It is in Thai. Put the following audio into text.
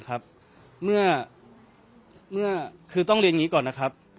คือเมื่อกี้อย่างที่ผมเรียนคือต้องเรียนอย่างนี้ก่อน